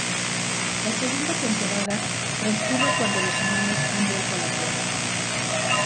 La segunda temporada transcurre cuando los humanos han vuelto a la Tierra.